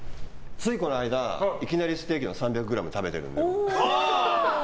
ついこの間いきなりステーキを３００ｇ食べているので。